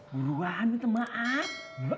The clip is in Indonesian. buruan itu maaf